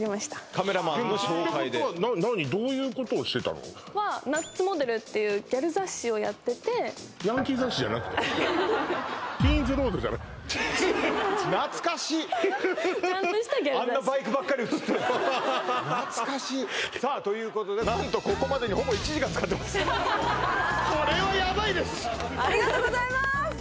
カメラマンの紹介でてことはどういうことをしてたの「ｎｕｔｓ」モデルっていうギャル雑誌をやってて「ティーンズロード」じゃなくて？懐かしいちゃんとしたギャル雑誌あんなバイクばっかり写って懐かしいさあということで何と何とここまでにほぼ１時間使ってますありがとうございまーす！